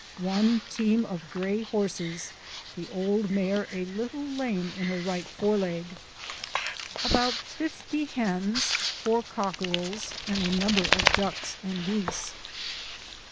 One team of gray horses, the old mare a little lame in her right foreleg. About fifty hens, four cockerels, and a number of ducks and geese.